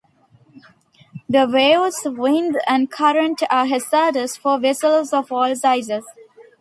The waves, wind, and current are hazardous for vessels of all sizes.